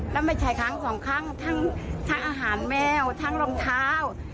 แล้วไม่ใช่ครั้งสองครั้งทั้งอาหารแมวทั้งรองเท้า